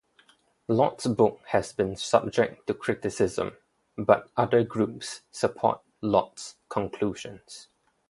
Lott's book has been subject to criticism, but other groups support Lott's conclusions.